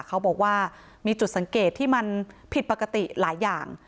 เขาบอกว่ามีจุดสังเกตที่มันผิดปกติหลายอย่าง